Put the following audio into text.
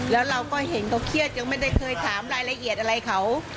แล้วเราก็เห็นเขาเครียดยังไม่ได้เคยถามรายละเอียดอะไรเขา